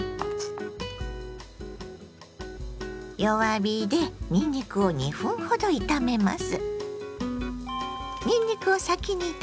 弱火でにんにくを２分ほど炒めます。